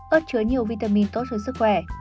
ơt chứa nhiều vitamin tốt cho sức khỏe